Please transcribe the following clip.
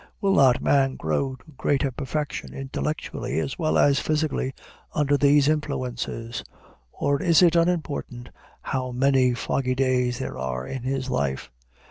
Will not man grow to greater perfection intellectually as well as physically under these influences? Or is it unimportant how many foggy days there are in his life?